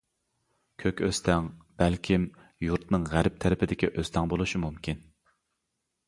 «كۆك ئۆستەڭ» بەلكىم يۇرتنىڭ غەرب تەرىپىدىكى ئۆستەڭ بولۇشى مۇمكىن.